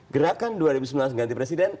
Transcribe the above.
gerakan dua ribu sembilan belas ganti presiden